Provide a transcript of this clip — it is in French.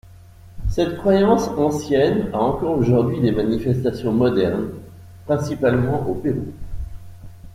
Cette croyance ancienne a encore aujourd'hui des manifestations modernes, principalement au Pérou.